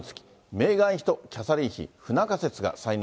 メーガン妃とキャサリン妃、不仲説が再燃。